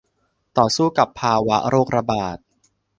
ต่อสู้กับภาวะโรคระบาด